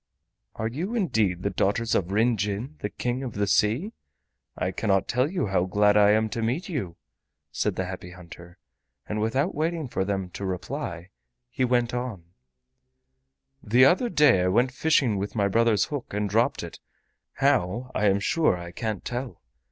"Are you indeed the daughters of Ryn Jin, the King of the Sea? I cannot tell you how glad I am to meet you," said the Happy Hunter. And without waiting for them to reply he went on: "The other day I went fishing with my brother's hook and dropped it, how, I am sure I can't tell.